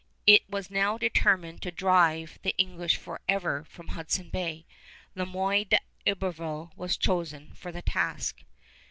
It was now determined to drive the English forever from Hudson Bay. Le Moyne d'Iberville was chosen for the task.